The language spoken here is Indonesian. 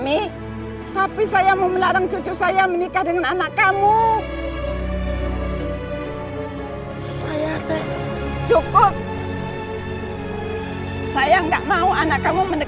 tidak saya cuma ingat sayang aku tak tahu apa yang kamu katakan tuh